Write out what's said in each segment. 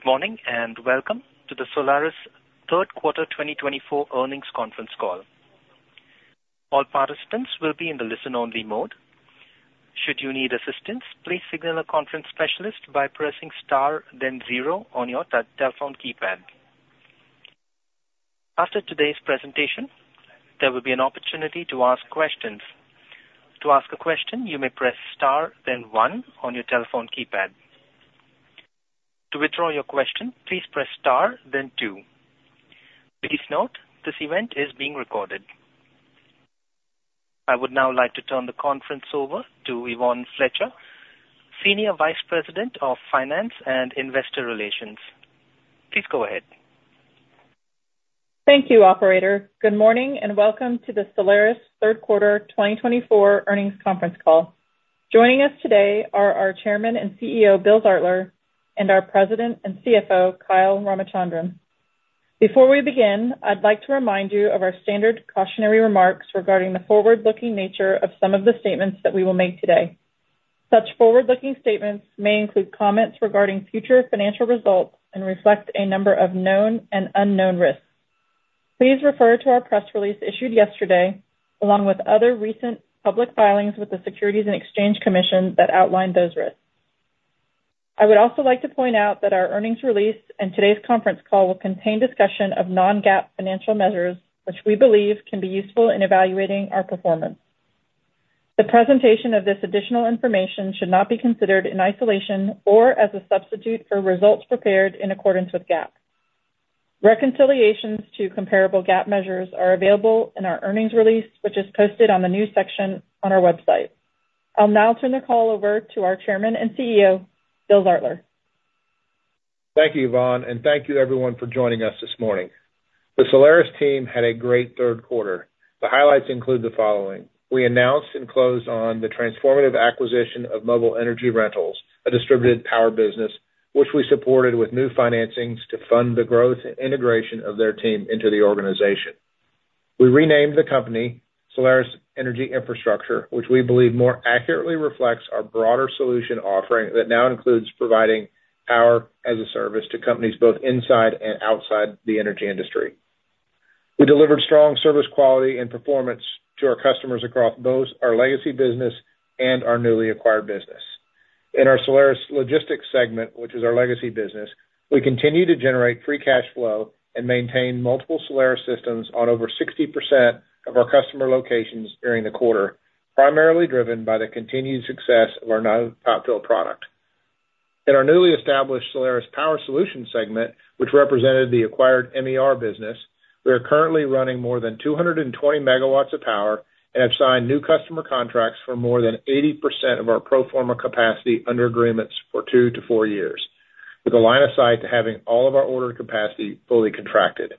Good morning and welcome to the Solaris third quarter 2024 earnings conference call. All participants will be in the listen-only mode. Should you need assistance, please signal a conference specialist by pressing star, then zero on your telephone keypad. After today's presentation, there will be an opportunity to ask questions. To ask a question, you may press star, then one on your telephone keypad. To withdraw your question, please press star, then two. Please note, this event is being recorded. I would now like to turn the conference over to Yvonne Fletcher, Senior Vice President of Finance and Investor Relations. Please go ahead. Thank you, Operator. Good morning and welcome to the Solaris third quarter 2024 earnings conference call. Joining us today are our Chairman and CEO, Bill Zartler, and our President and CFO, Kyle Ramachandran. Before we begin, I'd like to remind you of our standard cautionary remarks regarding the forward-looking nature of some of the statements that we will make today. Such forward-looking statements may include comments regarding future financial results and reflect a number of known and unknown risks. Please refer to our press release issued yesterday, along with other recent public filings with the Securities and Exchange Commission that outline those risks. I would also like to point out that our earnings release and today's conference call will contain discussion of non-GAAP financial measures, which we believe can be useful in evaluating our performance. The presentation of this additional information should not be considered in isolation or as a substitute for results prepared in accordance with GAAP. Reconciliations to comparable GAAP measures are available in our earnings release, which is posted on the news section on our website. I'll now turn the call over to our Chairman and CEO, Bill Zartler. Thank you, Yvonne, and thank you, everyone, for joining us this morning. The Solaris team had a great third quarter. The highlights include the following: we announced and closed on the transformative acquisition of Mobile Energy Rentals, a distributed power business, which we supported with new financings to fund the growth and integration of their team into the organization. We renamed the company Solaris Energy Infrastructure, which we believe more accurately reflects our broader solution offering that now includes providing power as a service to companies both inside and outside the energy industry. We delivered strong service quality and performance to our customers across both our legacy business and our newly acquired business. In our Solaris Logistics Solutions segment, which is our legacy business, we continue to generate Free Cash Flow and maintain multiple Solaris systems on over 60% of our customer locations during the quarter, primarily driven by the continued success of our new Top-Fill product. In our newly established Solaris Power Solutions segment, which represented the acquired MER business, we are currently running more than 220 megawatts of power and have signed new customer contracts for more than 80% of our Pro Forma capacity under agreements for two to four years, with a line of sight to having all of our ordered capacity fully contracted.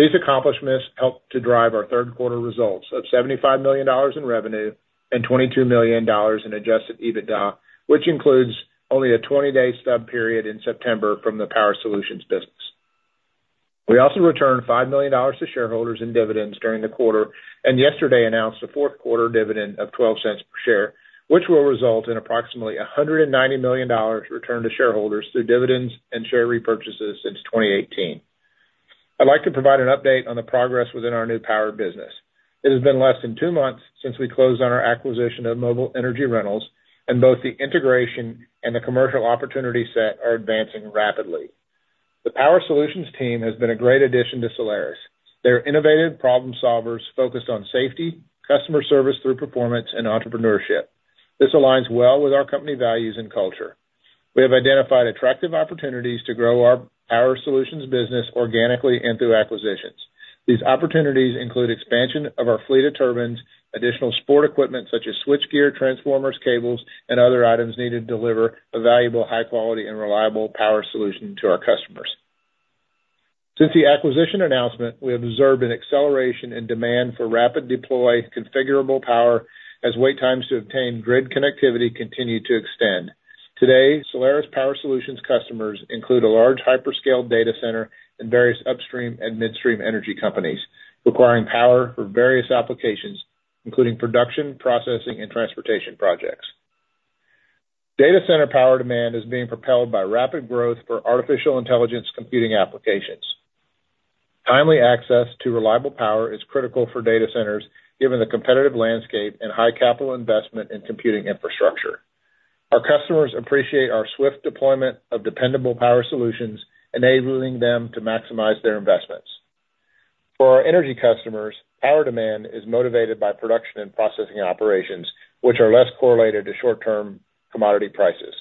These accomplishments helped to drive our third quarter results of $75 million in revenue and $22 million in Adjusted EBITDA, which includes only a 20-day stub period in September from the Power Solutions business. We also returned $5 million to shareholders in dividends during the quarter and yesterday announced a fourth quarter dividend of $0.12 per share, which will result in approximately $190 million returned to shareholders through dividends and share repurchases since 2018. I'd like to provide an update on the progress within our new power business. It has been less than two months since we closed on our acquisition of Mobile Energy Rentals, and both the integration and the commercial opportunity set are advancing rapidly. The power solutions team has been a great addition to Solaris. They are innovative problem solvers focused on safety, customer service through performance, and entrepreneurship. This aligns well with our company values and culture. We have identified attractive opportunities to grow our power solutions business organically and through acquisitions. These opportunities include expansion of our fleet of turbines, additional support equipment such as switchgear, transformers, cables, and other items needed to deliver a valuable, high-quality, and reliable power solution to our customers. Since the acquisition announcement, we have observed an acceleration in demand for rapid deploy configurable power as wait times to obtain grid connectivity continue to extend. Today, Solaris Power Solutions customers include a large hyperscale data center and various upstream and midstream energy companies requiring power for various applications, including production, processing, and transportation projects. Data center power demand is being propelled by rapid growth for artificial intelligence computing applications. Timely access to reliable power is critical for data centers given the competitive landscape and high capital investment in computing infrastructure. Our customers appreciate our swift deployment of dependable power solutions, enabling them to maximize their investments. For our energy customers, power demand is motivated by production and processing operations, which are less correlated to short-term commodity prices.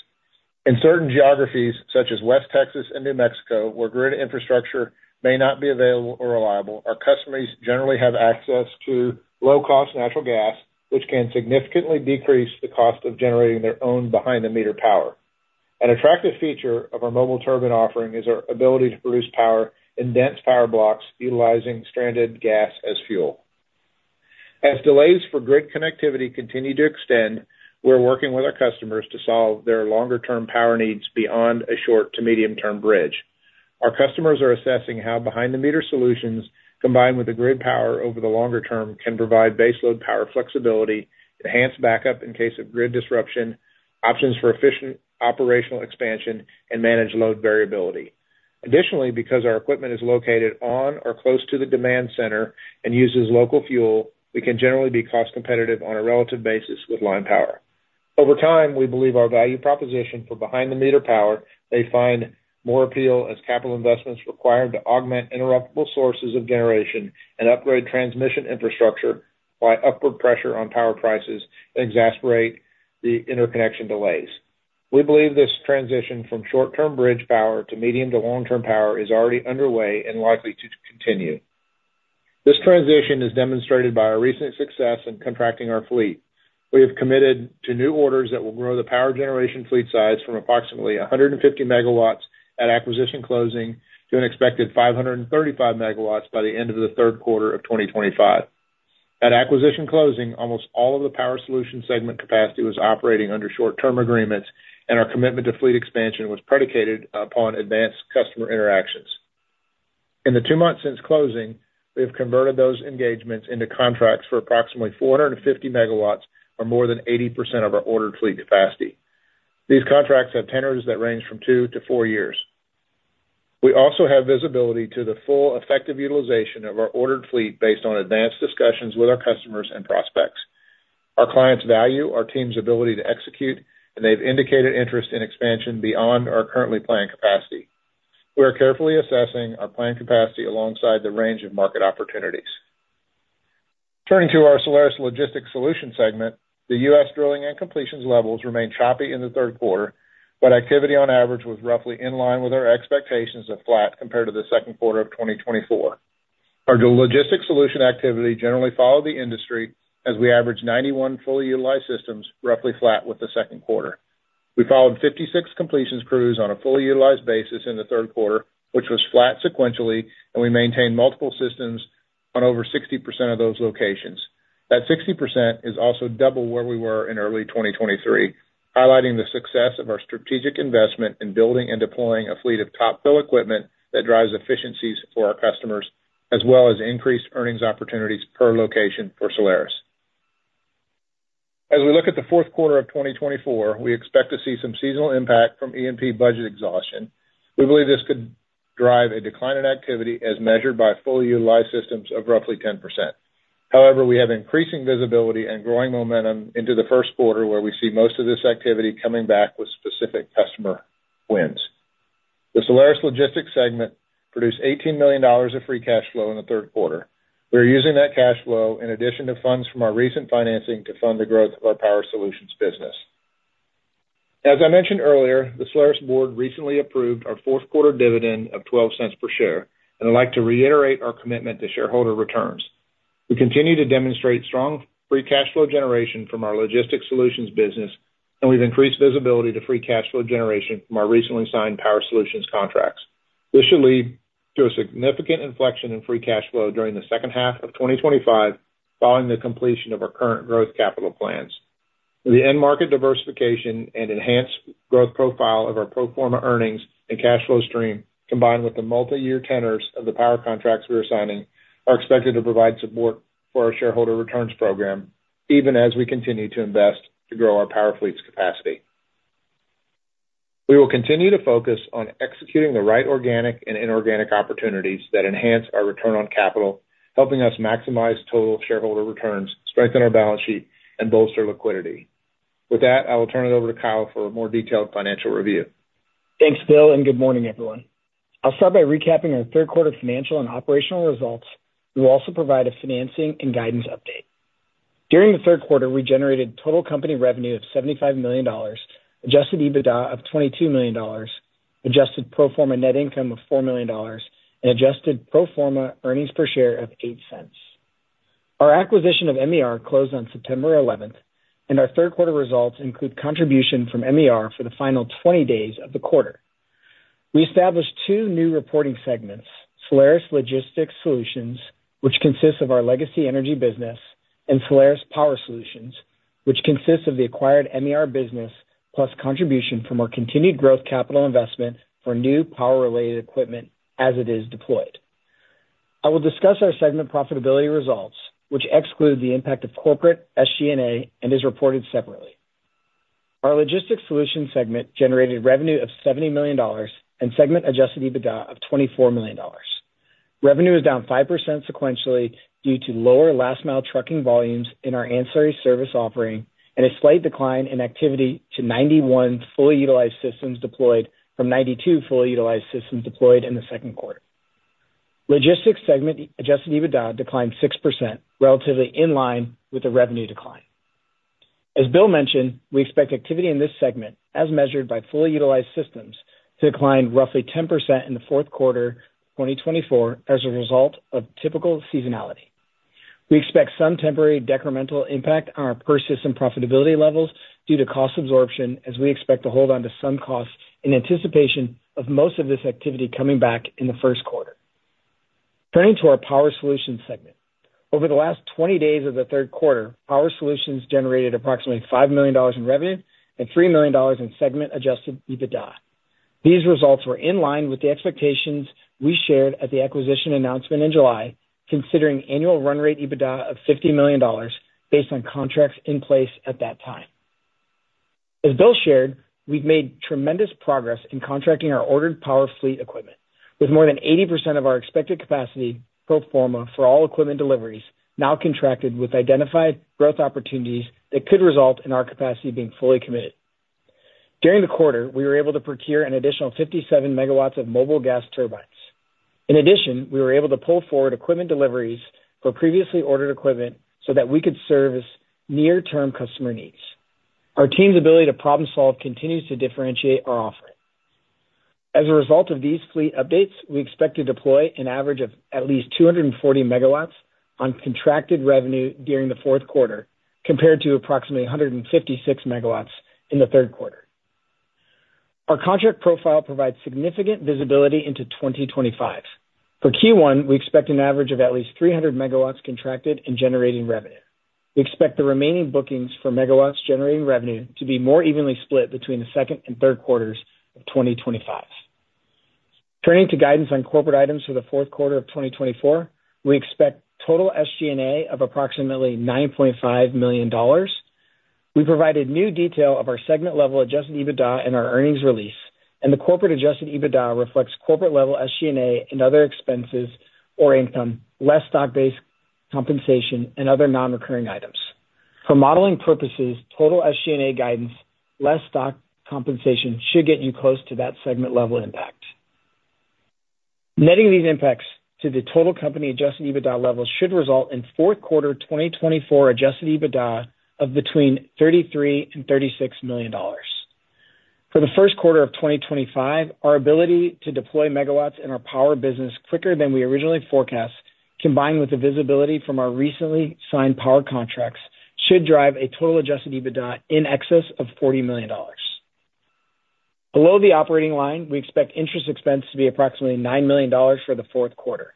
In certain geographies, such as West Texas and New Mexico, where grid infrastructure may not be available or reliable, our customers generally have access to low-cost natural gas, which can significantly decrease the cost of generating their own behind-the-meter power. An attractive feature of our mobile turbine offering is our ability to produce power in dense power blocks utilizing stranded gas as fuel. As delays for grid connectivity continue to extend, we're working with our customers to solve their longer-term power needs beyond a short to medium-term bridge. Our customers are assessing how behind-the-meter solutions combined with the grid power over the longer term can provide base load power flexibility, enhanced backup in case of grid disruption, options for efficient operational expansion, and manage load variability. Additionally, because our equipment is located on or close to the demand center and uses local fuel, we can generally be cost competitive on a relative basis with line power. Over time, we believe our value proposition for behind-the-meter power may find more appeal as capital investments required to augment interruptible sources of generation and upgrade transmission infrastructure by upward pressure on power prices that exacerbate the interconnection delays. We believe this transition from short-term bridge power to medium to long-term power is already underway and likely to continue. This transition is demonstrated by our recent success in contracting our fleet. We have committed to new orders that will grow the power generation fleet size from approximately 150 megawatts at acquisition closing to an expected 535 megawatts by the end of the third quarter of 2025. At acquisition closing, almost all of the Power Solutions segment capacity was operating under short-term agreements, and our commitment to fleet expansion was predicated upon advanced customer interactions. In the two months since closing, we have converted those engagements into contracts for approximately 450 megawatts, or more than 80% of our ordered fleet capacity. These contracts have tenors that range from two to four years. We also have visibility to the full effective utilization of our ordered fleet based on advanced discussions with our customers and prospects. Our clients value our team's ability to execute, and they've indicated interest in expansion beyond our currently planned capacity. We are carefully assessing our planned capacity alongside the range of market opportunities. Turning to our Solaris Logistics Solutions segment, the U.S. Drilling and completions levels remained choppy in the third quarter, but activity on average was roughly in line with our expectations of flat compared to the second quarter of 2024. Our logistics solution activity generally followed the industry as we averaged 91 fully utilized systems, roughly flat with the second quarter. We followed 56 completions crews on a fully utilized basis in the third quarter, which was flat sequentially, and we maintained multiple systems on over 60% of those locations. That 60% is also double where we were in early 2023, highlighting the success of our strategic investment in building and deploying a fleet of top-fill equipment that drives efficiencies for our customers, as well as increased earnings opportunities per location for Solaris. As we look at the fourth quarter of 2024, we expect to see some seasonal impact from E&P budget exhaustion. We believe this could drive a decline in activity as measured by fully utilized systems of roughly 10%. However, we have increasing visibility and growing momentum into the first quarter, where we see most of this activity coming back with specific customer wins. The Solaris logistics segment produced $18 million of free cash flow in the third quarter. We are using that cash flow in addition to funds from our recent financing to fund the growth of our power solutions business. As I mentioned earlier, the Solaris board recently approved our fourth quarter dividend of $0.12 per share, and I'd like to reiterate our commitment to shareholder returns. We continue to demonstrate strong free cash flow generation from our logistics solutions business, and we've increased visibility to free cash flow generation from our recently signed power solutions contracts. This should lead to a significant inflection in free cash flow during the second half of 2025, following the completion of our current growth capital plans. The end-market diversification and enhanced growth profile of our pro forma earnings and cash flow stream, combined with the multi-year tenors of the power contracts we are signing, are expected to provide support for our shareholder returns program, even as we continue to invest to grow our power fleet's capacity. We will continue to focus on executing the right organic and inorganic opportunities that enhance our return on capital, helping us maximize total shareholder returns, strengthen our balance sheet, and bolster liquidity. With that, I will turn it over to Kyle for a more detailed financial review. Thanks, Bill, and good morning, everyone. I'll start by recapping our third quarter financial and operational results, and we'll also provide a financing and guidance update. During the third quarter, we generated total company revenue of $75 million, Adjusted EBITDA of $22 million, Adjusted Pro Forma net income of $4 million, and Adjusted Pro Forma earnings per share of $0.08. Our acquisition of MER closed on September 11th, and our third quarter results include contribution from MER for the final 20 days of the quarter. We established two new reporting segments, Solaris Logistics Solutions, which consists of our legacy energy business, and Solaris Power Solutions, which consists of the acquired MER business plus contribution from our continued growth capital investment for new power-related equipment as it is deployed. I will discuss our segment profitability results, which exclude the impact of corporate SG&A and is reported separately. Our logistics solution segment generated revenue of $70 million and segment-adjusted EBITDA of $24 million. Revenue is down 5% sequentially due to lower last-mile trucking volumes in our ancillary service offering and a slight decline in activity to 91 fully utilized systems deployed from 92 fully utilized systems deployed in the second quarter. Logistics segment-adjusted EBITDA declined 6%, relatively in line with the revenue decline. As Bill mentioned, we expect activity in this segment, as measured by fully utilized systems, to decline roughly 10% in the fourth quarter of 2024 as a result of typical seasonality. We expect some temporary decremental impact on our persistent profitability levels due to cost absorption, as we expect to hold on to some costs in anticipation of most of this activity coming back in the first quarter. Turning to our power solution segment, over the last 20 days of the third quarter, power solutions generated approximately $5 million in revenue and $3 million in segment-adjusted EBITDA. These results were in line with the expectations we shared at the acquisition announcement in July, considering annual run rate EBITDA of $50 million based on contracts in place at that time. As Bill shared, we've made tremendous progress in contracting our ordered power fleet equipment, with more than 80% of our expected capacity pro forma for all equipment deliveries now contracted with identified growth opportunities that could result in our capacity being fully committed. During the quarter, we were able to procure an additional 57 megawatts of mobile gas turbines. In addition, we were able to pull forward equipment deliveries for previously ordered equipment so that we could service near-term customer needs. Our team's ability to problem-solve continues to differentiate our offering. As a result of these fleet updates, we expect to deploy an average of at least 240 megawatts on contracted revenue during the fourth quarter, compared to approximately 156 megawatts in the third quarter. Our contract profile provides significant visibility into 2025. For Q1, we expect an average of at least 300 megawatts contracted and generating revenue. We expect the remaining bookings for megawatts generating revenue to be more evenly split between the second and third quarters of 2025. Turning to guidance on corporate items for the fourth quarter of 2024, we expect total SG&A of approximately $9.5 million. We provided new detail of our segment-level adjusted EBITDA in our earnings release, and the corporate adjusted EBITDA reflects corporate-level SG&A and other expenses or income, less stock-based compensation, and other non-recurring items. For modeling purposes, total SG&A guidance, less stock compensation should get you close to that segment-level impact. Netting these impacts to the total company Adjusted EBITDA levels should result in fourth quarter 2024 Adjusted EBITDA of between $33-$36 million. For the first quarter of 2025, our ability to deploy megawatts in our power business quicker than we originally forecast, combined with the visibility from our recently signed power contracts, should drive a total Adjusted EBITDA in excess of $40 million. Below the operating line, we expect interest expense to be approximately $9 million for the fourth quarter.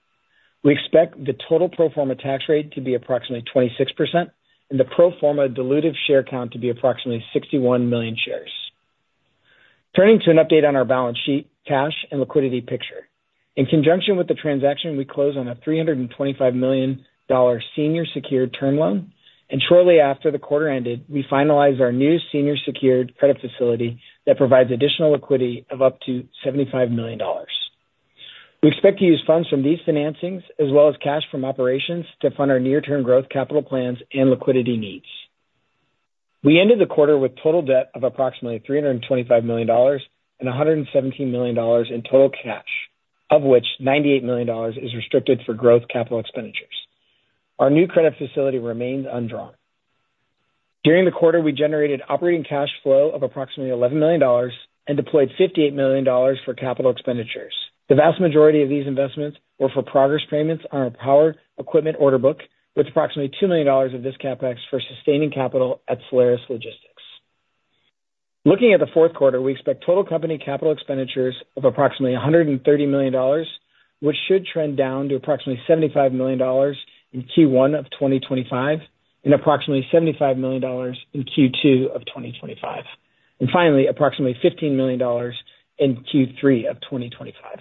We expect the total pro forma tax rate to be approximately 26% and the pro forma diluted share count to be approximately 61 million shares. Turning to an update on our balance sheet, cash and liquidity picture. In conjunction with the transaction, we close on a $325 million senior secured term loan, and shortly after the quarter ended, we finalize our new senior secured credit facility that provides additional liquidity of up to $75 million. We expect to use funds from these financings, as well as cash from operations, to fund our near-term growth capital plans and liquidity needs. We ended the quarter with total debt of approximately $325 million and $117 million in total cash, of which $98 million is restricted for growth capital expenditures. Our new credit facility remains undrawn. During the quarter, we generated operating cash flow of approximately $11 million and deployed $58 million for capital expenditures. The vast majority of these investments were for progress payments on our power equipment order book, with approximately $2 million of this CapEx for sustaining capital at Solaris Logistics. Looking at the fourth quarter, we expect total company capital expenditures of approximately $130 million, which should trend down to approximately $75 million in Q1 of 2025 and approximately $75 million in Q2 of 2025. And finally, approximately $15 million in Q3 of 2025. Our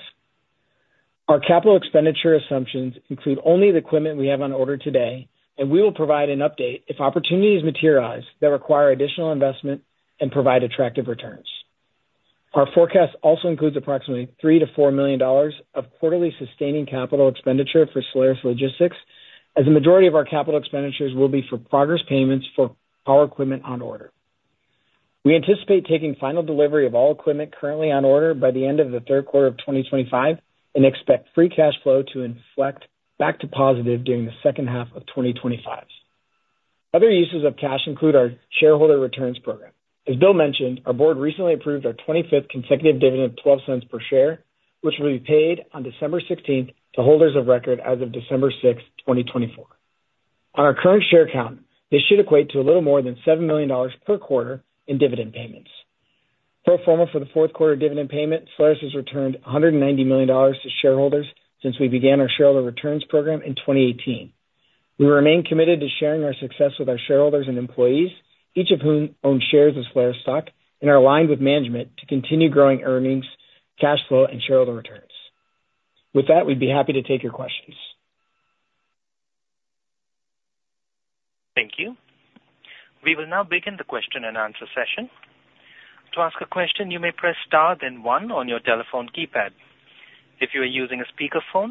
capital expenditure assumptions include only the equipment we have on order today, and we will provide an update if opportunities materialize that require additional investment and provide attractive returns. Our forecast also includes approximately $3-$4 million of quarterly sustaining capital expenditure for Solaris Logistics, as the majority of our capital expenditures will be for progress payments for power equipment on order. We anticipate taking final delivery of all equipment currently on order by the end of the third quarter of 2025 and expect free cash flow to inflect back to positive during the second half of 2025. Other uses of cash include our shareholder returns program. As Bill mentioned, our board recently approved our 25th consecutive dividend of $0.12 per share, which will be paid on December 16th to holders of record as of December 6th, 2024. On our current share count, this should equate to a little more than $7 million per quarter in dividend payments. Pro forma for the fourth quarter dividend payment, Solaris has returned $190 million to shareholders since we began our shareholder returns program in 2018. We remain committed to sharing our success with our shareholders and employees, each of whom owns shares of Solaris stock, and are aligned with management to continue growing earnings, cash flow, and shareholder returns. With that, we'd be happy to take your questions. Thank you. We will now begin the question and answer session. To ask a question, you may press star, then one on your telephone keypad. If you are using a speakerphone,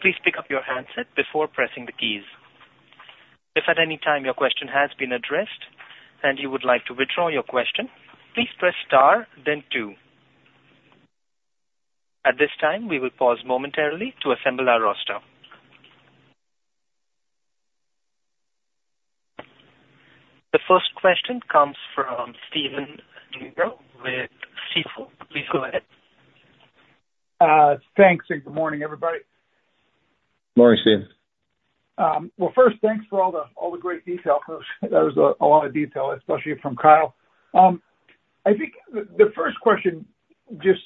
please pick up your handset before pressing the keys. If at any time your question has been addressed and you would like to withdraw your question, please press star, then two. At this time, we will pause momentarily to assemble our roster. The first question comes from Stephen Gengaro with Stifel. Please go ahead. Thanks, and good morning, everybody. Morning, Steven. First, thanks for all the great detail. That was a lot of detail, especially from Kyle. I think the first question, just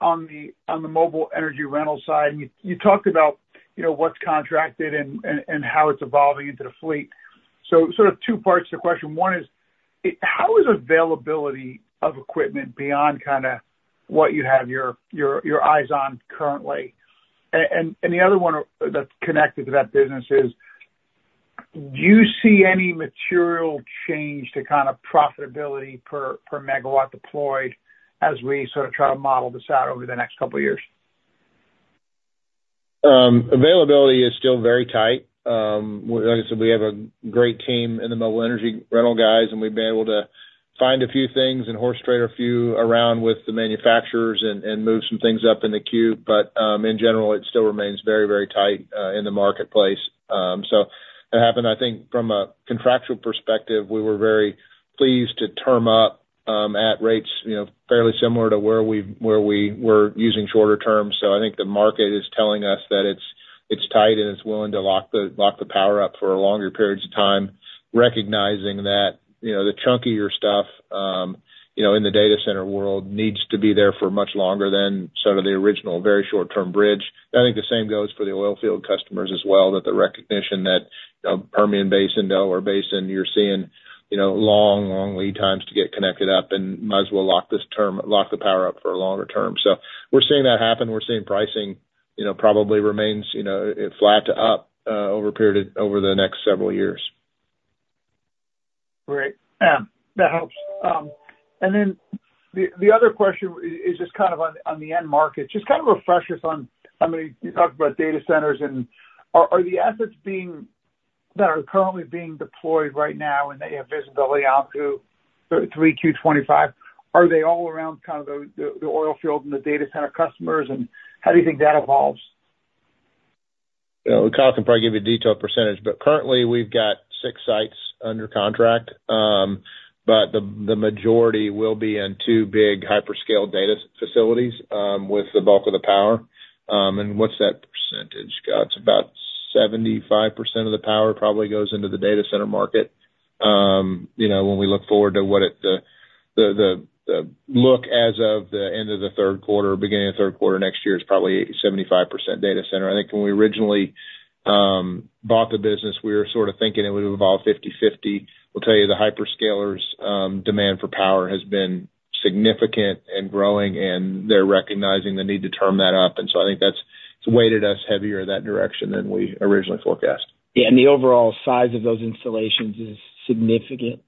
on the mobile energy rental side, you talked about what's contracted and how it's evolving into the fleet. So sort of two parts to the question. One is, how is availability of equipment beyond kind of what you have your eyes on currently? And the other one that's connected to that business is, do you see any material change to kind of profitability per megawatt deployed as we sort of try to model this out over the next couple of years? Availability is still very tight. Like I said, we have a great team in the mobile energy rental guys, and we've been able to find a few things and horse trade a few around with the manufacturers and move some things up in the queue. But in general, it still remains very, very tight in the marketplace. So it happened, I think, from a contractual perspective, we were very pleased to term up at rates fairly similar to where we were using shorter terms. So I think the market is telling us that it's tight and it's willing to lock the power up for longer periods of time, recognizing that the chunkier stuff in the data center world needs to be there for much longer than sort of the original very short-term bridge. I think the same goes for the oil field customers as well, that the recognition that Permian Basin or Basin, you're seeing long, long lead times to get connected up and might as well lock the power up for a longer term. So we're seeing that happen. We're seeing pricing probably remain flat to up over the next several years. Great. That helps. And then the other question is just kind of on the end market, just kind of refresh us on how many you talked about data centers. And are the assets that are currently being deployed right now and that you have visibility on through Q25, are they all around kind of the oil field and the data center customers? And how do you think that evolves? Kyle can probably give you a detailed percentage, but currently, we've got six sites under contract, but the majority will be in two big hyperscale data facilities with the bulk of the power, and what's that percentage, Kyle? It's about 75% of the power probably goes into the data center market. When we look forward to what the outlook as of the end of the third quarter, beginning of the third quarter next year is probably 75% data center. I think when we originally bought the business, we were sort of thinking it would evolve 50/50. Well, I'll tell you the hyperscalers' demand for power has been significant and growing, and they're recognizing the need to firm that up, and so I think that's weighted us heavier in that direction than we originally forecast. Yeah. And the overall size of those installations is significant.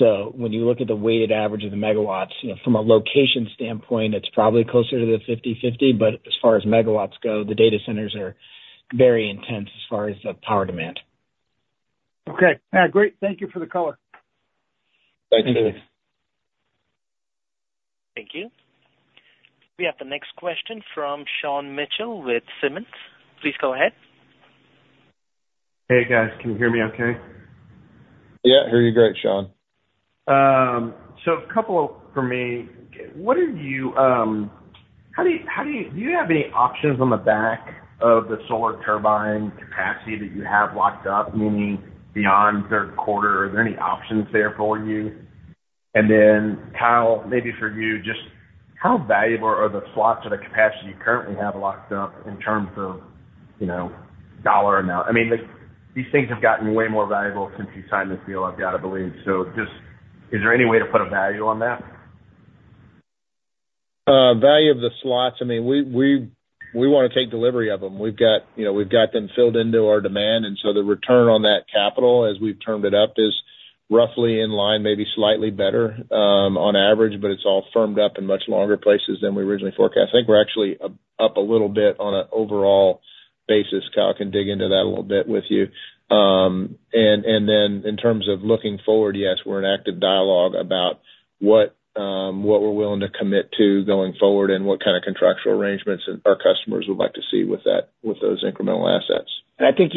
So when you look at the weighted average of the megawatts, from a location standpoint, it's probably closer to the 50/50. But as far as megawatts go, the data centers are very intense as far as the power demand. Okay. Great. Thank you for the color. Thanks, Steven. Thank you. We have the next question from Sean Mitchell with Daniel Energy Partners. Please go ahead. Hey, guys. Can you hear me okay? Yeah. I hear you great, Sean. A couple for me. What do you have any options on the back of the Solaris turbine capacity that you have locked up, meaning beyond third quarter? Are there any options there for you? And then, Kyle, maybe for you, just how valuable are the slots of the capacity you currently have locked up in terms of dollar amount? I mean, these things have gotten way more valuable since you signed the deal, I've got to believe. Just is there any way to put a value on that? Value of the slots, I mean, we want to take delivery of them. We've got them filled into our demand. And so the return on that capital, as we've turned it up, is roughly in line, maybe slightly better on average, but it's all firmed up in much longer leases than we originally forecast. I think we're actually up a little bit on an overall basis. Kyle can dig into that a little bit with you. And then in terms of looking forward, yes, we're in active dialogue about what we're willing to commit to going forward and what kind of contractual arrangements our customers would like to see with those incremental assets. I think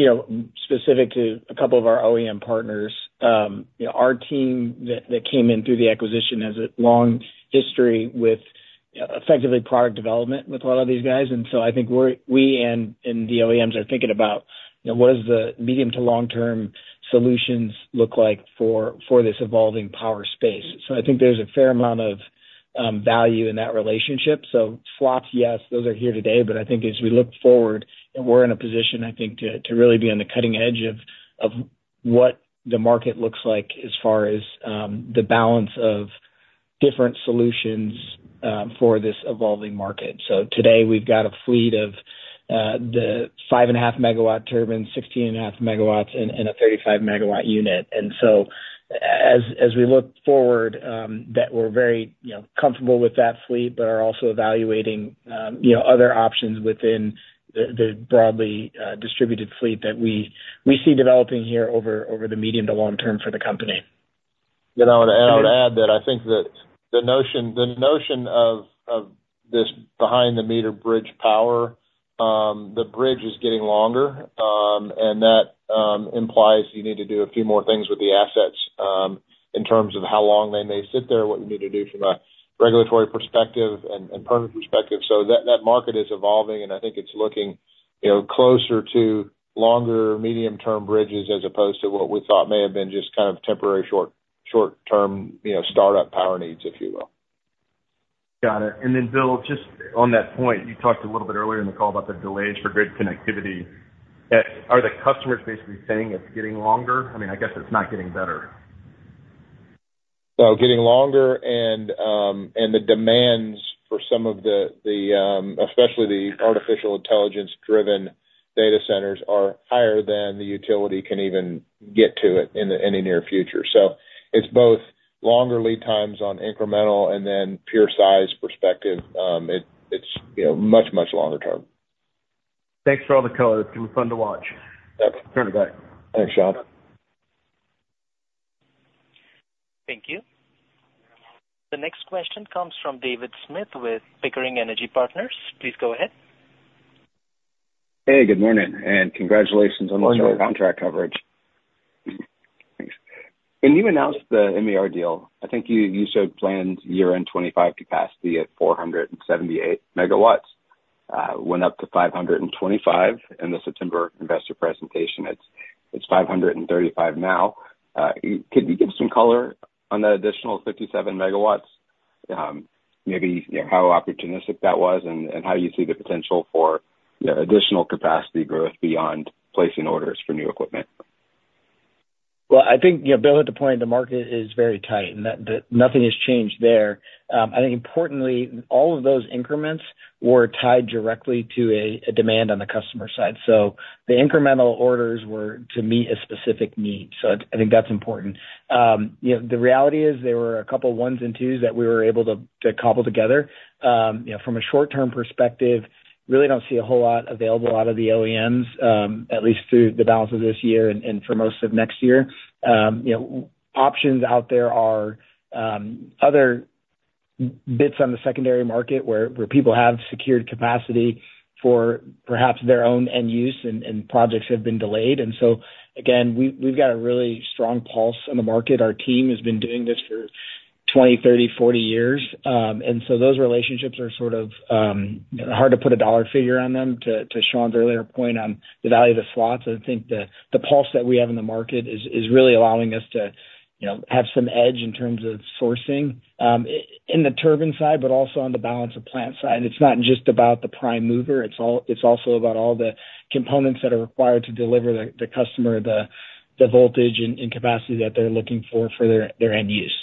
specific to a couple of our OEM partners, our team that came in through the acquisition has a long history with effectively product development with a lot of these guys. And so I think we and the OEMs are thinking about what does the medium to long-term solutions look like for this evolving power space. So I think there's a fair amount of value in that relationship. So slots, yes, those are here today. But I think as we look forward, we're in a position, I think, to really be on the cutting edge of what the market looks like as far as the balance of different solutions for this evolving market. So today, we've got a fleet of the 5.5-megawatt turbines, 16.5-megawatts, and a 35-megawatt unit. And so as we look forward, we're very comfortable with that fleet, but are also evaluating other options within the broadly distributed fleet that we see developing here over the medium to long term for the company. I would add that I think that the notion of this Behind-the-Meter bridge power, the bridge is getting longer, and that implies you need to do a few more things with the assets in terms of how long they may sit there, what you need to do from a regulatory perspective and permit perspective. That market is evolving, and I think it's looking closer to longer medium-term bridges as opposed to what we thought may have been just kind of temporary short-term startup power needs, if you will. Got it. And then, Will, just on that point, you talked a little bit earlier in the call about the delays for grid connectivity. Are the customers basically saying it's getting longer? I mean, I guess it's not getting better. So, getting longer, and the demands for some of the, especially the Artificial Intelligence-driven data centers, are higher than the utility can even get to it in the near future. So, it's both longer lead times on incremental and then pure size perspective. It's much, much longer term. Thanks for all the color. It's been fun to watch. Thanks, Sean. Thank you. The next question comes from David Smith with Pickering Energy Partners. Please go ahead. Hey, good morning, and congratulations on the Solaris contract coverage. Can you announce the MER deal? I think you showed planned year-end 2025 capacity at 478 megawatts. It went up to 525 in the September investor presentation. It's 535 now. Could you give some color on that additional 57 megawatts, maybe how opportunistic that was and how you see the potential for additional capacity growth beyond placing orders for new equipment? I think Bill hit the point. The market is very tight, and nothing has changed there. I think importantly, all of those increments were tied directly to a demand on the customer side. So the incremental orders were to meet a specific need. So I think that's important. The reality is there were a couple of ones and twos that we were able to cobble together. From a short-term perspective, really don't see a whole lot available out of the OEMs, at least through the balance of this year and for most of next year. Options out there are other bits on the secondary market where people have secured capacity for perhaps their own end use, and projects have been delayed. And so, again, we've got a really strong pulse in the market. Our team has been doing this for 20, 30, 40 years. And so those relationships are sort of hard to put a dollar figure on them. To Sean's earlier point on the value of the slots, I think the pulse that we have in the market is really allowing us to have some edge in terms of sourcing in the turbine side, but also on the balance of plant side. And it's not just about the prime mover. It's also about all the components that are required to deliver the customer the voltage and capacity that they're looking for for their end use.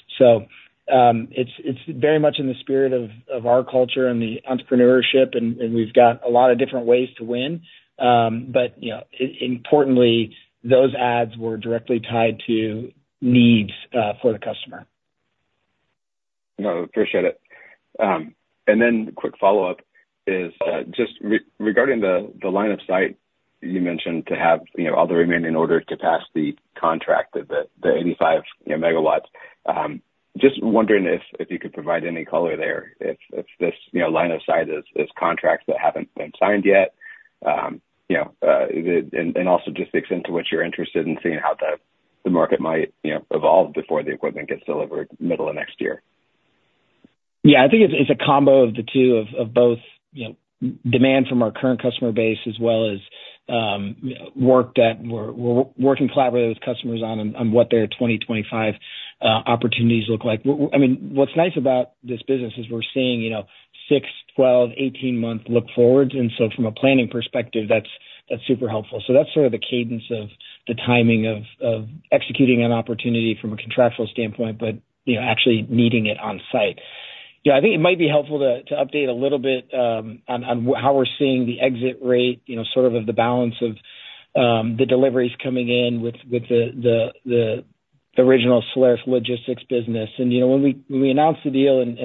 So it's very much in the spirit of our culture and the entrepreneurship, and we've got a lot of different ways to win. But importantly, those adds were directly tied to needs for the customer. No, appreciate it. And then quick follow-up is just regarding the line of sight you mentioned to have all the remaining ordered capacity contracted, the 85 megawatts. Just wondering if you could provide any color there if this line of sight is contracts that haven't been signed yet. And also just the extent to which you're interested in seeing how the market might evolve before the equipment gets delivered middle of next year? Yeah. I think it's a combo of the two, of both demand from our current customer base as well as work that we're working collaboratively with customers on what their 2025 opportunities look like. I mean, what's nice about this business is we're seeing six, 12, 18-month look forwards, and so from a planning perspective, that's super helpful. So that's sort of the cadence of the timing of executing an opportunity from a contractual standpoint, but actually meeting it on site. I think it might be helpful to update a little bit on how we're seeing the exit rate, sort of the balance of the deliveries coming in with the original Solaris Logistics business, and when we announced the deal and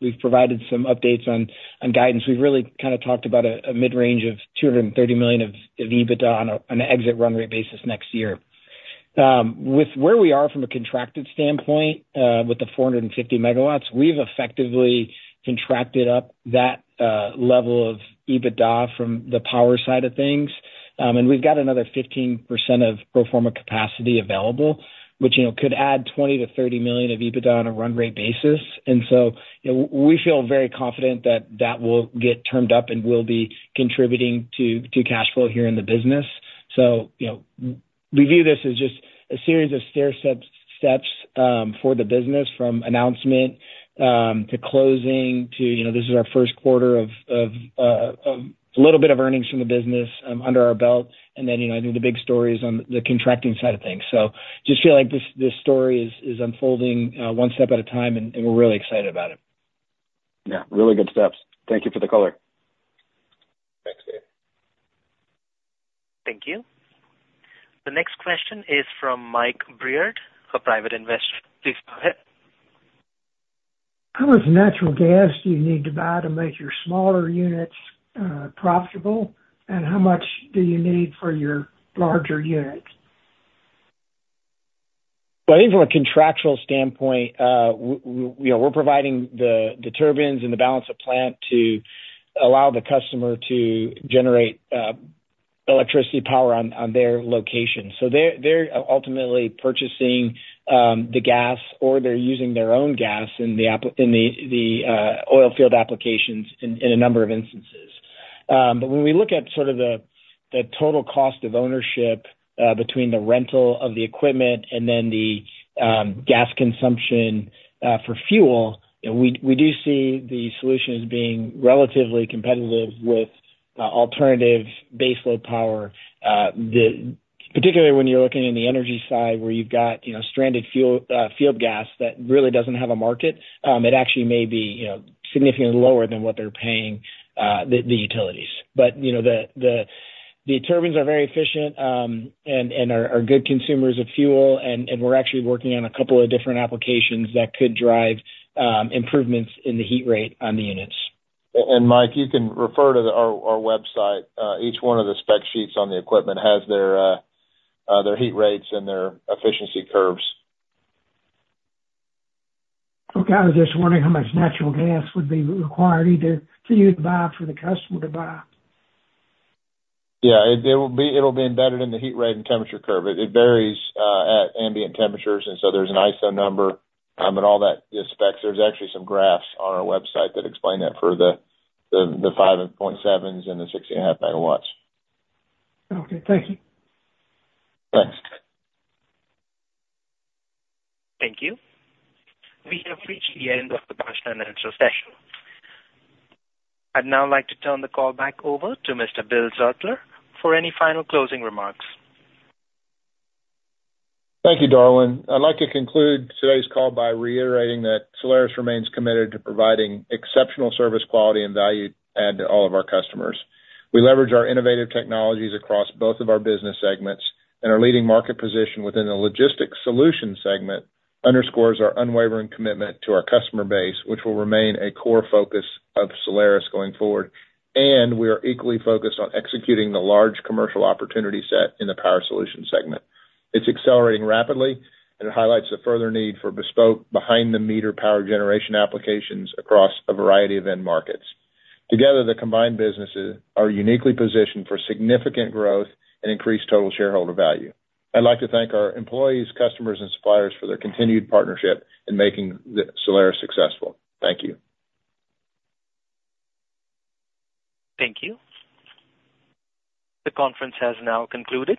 we've provided some updates on guidance, we've really kind of talked about a mid-range of $230 million of EBITDA on an exit run rate basis next year. With where we are from a contracted standpoint with the 450 MW, we've effectively contracted up that level of EBITDA from the power side of things. And we've got another 15% of pro forma capacity available, which could add $20-$30 million of EBITDA on a run rate basis. And so we feel very confident that that will get termed up and will be contributing to cash flow here in the business. So we view this as just a series of stair steps for the business from announcement to closing to this is our first quarter of a little bit of earnings from the business under our belt. And then I think the big story is on the contracting side of things. So just feel like this story is unfolding one step at a time, and we're really excited about it. Yeah. Really good steps. Thank you for the color. Thanks, Steve. Thank you. The next question is from Mike Breard, a private investor. Please go ahead. How much natural gas do you need to buy to make your smaller units profitable? And how much do you need for your larger units? I think from a contractual standpoint, we're providing the turbines and the balance of plant to allow the customer to generate electricity power on their location. So they're ultimately purchasing the gas, or they're using their own gas in the oil field applications in a number of instances. But when we look at sort of the total cost of ownership between the rental of the equipment and then the gas consumption for fuel, we do see the solution as being relatively competitive with alternative baseload power, particularly when you're looking in the energy side where you've got stranded field gas that really doesn't have a market. It actually may be significantly lower than what they're paying the utilities. But the turbines are very efficient and are good consumers of fuel, and we're actually working on a couple of different applications that could drive improvements in the heat rate on the units. Mike, you can refer to our website. Each one of the spec sheets on the equipment has their heat rates and their efficiency curves. Okay. I was just wondering how much natural gas would be required either for you to buy or for the customer to buy? Yeah. It'll be embedded in the heat rate and temperature curve. It varies at ambient temperatures. And so there's an ISO number and all that specs. There's actually some graphs on our website that explain that for the 5.7s and the 16.5 megawatts. Okay. Thank you. Thanks. Thank you. We have reached the end of the Q&A session. I'd now like to turn the call back over to Mr. Bill Zartler for any final closing remarks. Thank you, Darlene. I'd like to conclude today's call by reiterating that Solaris remains committed to providing exceptional service, quality, and value add to all of our customers. We leverage our innovative technologies across both of our business segments, and our leading market position within the logistics solution segment underscores our unwavering commitment to our customer base, which will remain a core focus of Solaris going forward, and we are equally focused on executing the large commercial opportunity set in the power solution segment. It's accelerating rapidly, and it highlights the further need for bespoke behind-the-meter power generation applications across a variety of end markets. Together, the combined businesses are uniquely positioned for significant growth and increased total shareholder value. I'd like to thank our employees, customers, and suppliers for their continued partnership in making Solaris successful. Thank you. Thank you. The conference has now concluded.